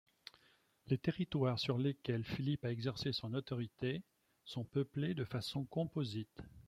Les territoires sur lesquels Philippe a exercé son autorité sont peuplés de façon composite.